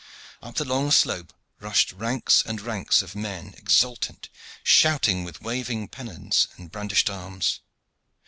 Up the long slope rushed ranks and ranks of men exultant, shouting, with waving pennons and brandished arms.